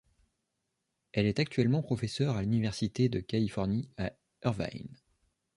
Elle est actuellement professeure à l'Université de Californie à Irvine.